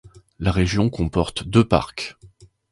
La région comporte deux parcs.